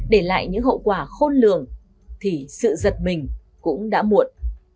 để lại những hậu quả khôn lường thì sự giật mình cũng đã muộn